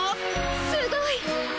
すごい！